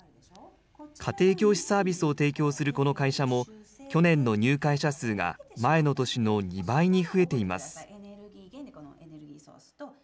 家庭教師サービスを提供するこの会社も、去年の入会者数が前の年の２倍に増えています。